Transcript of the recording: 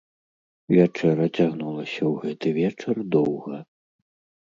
Вячэра цягнулася ў гэты вечар доўга.